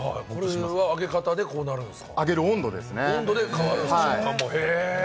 これは揚げ方でこうなるんですか？